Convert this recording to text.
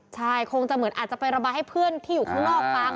ใช่คงจะเหมือนอาจจะไประบายให้เพื่อนที่อยู่ข้างนอกฟัง